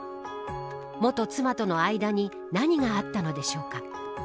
元妻との間に何があったのでしょうか。